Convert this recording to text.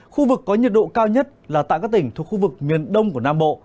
khu vực có nhiệt độ cao nhất là tại các tỉnh thuộc khu vực miền đông của nam bộ